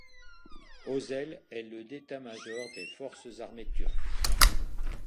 Özel est le d'état-major des Forces armées turques.